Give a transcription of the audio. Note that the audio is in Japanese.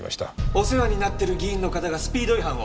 お世話になっている議員の方がスピード違反を。